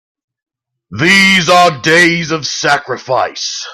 These are days of sacrifice!